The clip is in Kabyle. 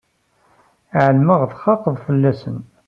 Ɛelmeɣ txaqeḍ fell-asen.